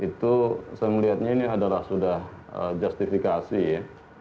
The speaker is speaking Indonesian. itu saya melihatnya ini adalah sudah justifikasi ya